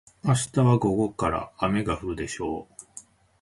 明日は午後から雨が降るでしょう。